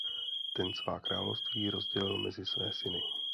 Ten svá království rozdělil mezi své syny.